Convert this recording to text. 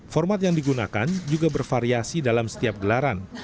format yang digunakan juga bervariasi dalam setiap gelaran